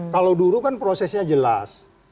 kalau dulu kan prosesnya jelas